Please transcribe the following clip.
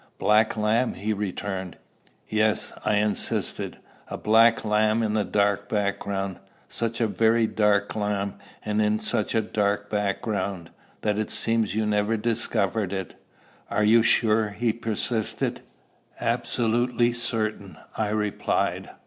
"Black lamb?" he returned. "Yes," I insisted; "a black lamb, in the dark background such a very black lamb, and in such a dark background, that it seems you never discovered it." "Are you sure?" he persisted. "Absolutely certain," I replied.